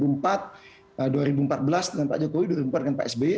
nah dua ribu empat belas dengan pak jokowi dua ribu empat belas dengan pak sby